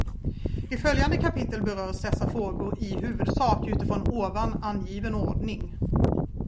I följande kapitel berörs dessa frågor i huvudsak utifrån ovan angiven ordning.